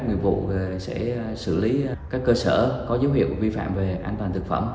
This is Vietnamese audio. nghiệp vụ sẽ xử lý các cơ sở có dấu hiệu vi phạm về an toàn thực phẩm